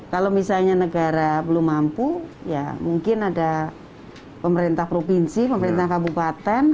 kalau misalnya negara belum mampu ya mungkin ada pemerintah provinsi pemerintah kabupaten